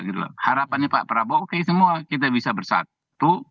tapi kalau misalnya pak prabowo oke semua kita bisa bersatu